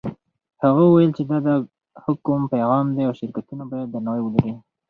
هغه وویل چې دا د حکم پیغام دی او شرکتونه باید درناوی ولري.